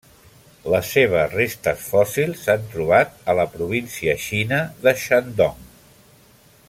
Les seves restes fòssils s'han trobat a la província Xina de Shandong.